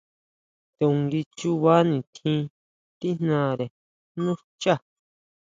To ngui chuba nitjín tíjnare nú xchá.